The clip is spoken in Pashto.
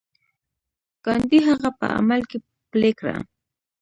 ګاندي هغه په عمل کې پلي کړه.